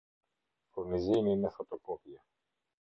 Furnizimi me fotokopje